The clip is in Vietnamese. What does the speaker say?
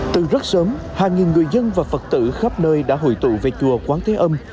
từ rất sớm hàng nghìn người dân và phật tử khắp nơi đã hội tụ về chùa quán thế âm